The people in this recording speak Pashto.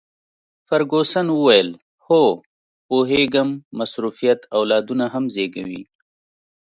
فرګوسن وویل: هو، پوهیږم، مصروفیت اولادونه هم زیږوي.